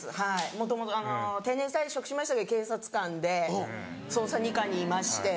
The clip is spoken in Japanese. もともと定年退職しましたけど警察官で捜査二課にいまして。